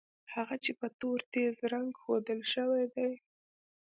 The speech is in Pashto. هغه چې په تور تېز رنګ ښودل شوي دي.